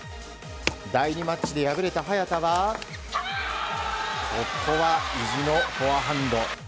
第２マッチで敗れた早田はここは、意地のフォアハンド。